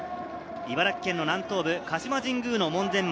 茨城県南東部、鹿島神宮の門前町。